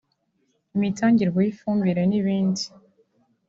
imitangirwe y’ifumbire n’ibindi